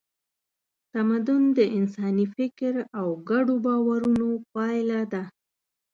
تمدن د انساني فکر او ګډو باورونو پایله ده.